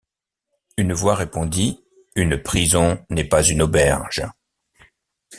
Une voix répondit: — Une prison n’est pas une auberge.